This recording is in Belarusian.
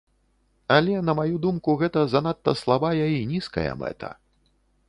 Але, на маю думку, гэта занадта слабая і нізкая мэта.